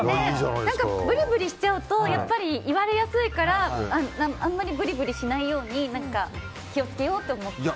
ぶりぶりしちゃうと言われやすいからあまりぶりぶりしないように気を付けようと思って。